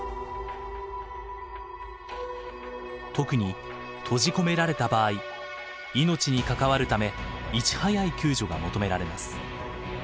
特に閉じ込められた場合命に関わるためいち早い救助が求められます。